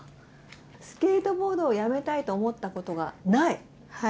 スケートボードをやめたいと思ったことがない？